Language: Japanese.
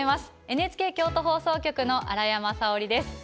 ＮＨＫ京都放送局の荒山沙織です。